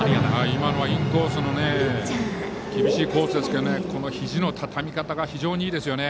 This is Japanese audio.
今のはインコースの厳しいコースですけどひじのたたみ方が非常にいいですよね。